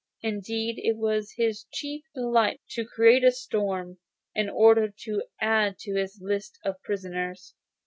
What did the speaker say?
Indeed, it was his chief delight to create a storm, in order to add to the list of his prisoners.